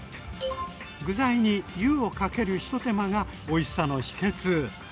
具材に湯をかける一手間がおいしさの秘けつ。